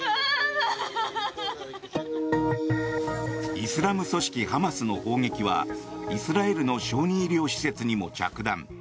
イスラム組織ハマスの砲撃はイスラエルの小児医療施設にも着弾。